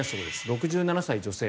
６７歳女性。